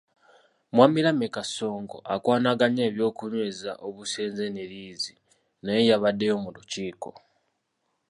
Mwami Lameka Ssonko akwanaganya eby'okunyweza obusenze ne liizi naye yabaddeyo mu lukiiko.